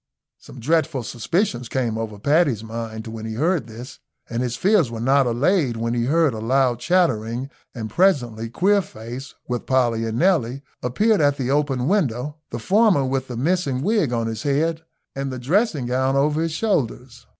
Some dreadful suspicions came over Paddy's mind when he heard this, and his fears were not allayed when he heard a loud chattering, and presently Queerface, with Polly and Nelly, appeared at the open window, the former with the missing wig on his head and the dressing gown over his shoulders.